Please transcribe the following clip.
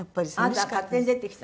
あなたが勝手に出てきた？